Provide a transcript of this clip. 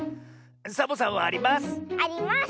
サボさんはあります！